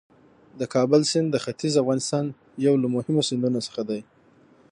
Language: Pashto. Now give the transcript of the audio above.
د کابل سیند د ختیځ افغانستان یو له مهمو سیندونو څخه دی.